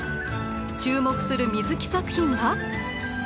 注目する水木作品は？